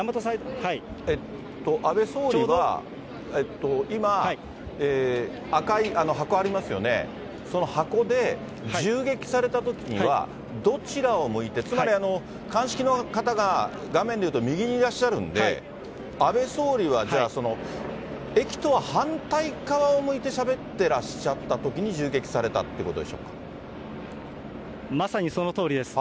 安倍総理は、今、赤い箱ありますよね、その箱で、銃撃されたときには、どちらを向いて、つまり、鑑識の方が画面で言うと右にいらっしゃるんで、安倍総理はじゃあ、駅とは反対っ側を向いてしゃべってらっしゃったときに銃撃されたまさにそのとおりです。